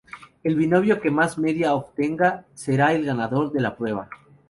El binomio que más media obtenga será el ganador de la prueba.